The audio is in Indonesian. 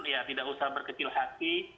ya tidak usah berkecil hati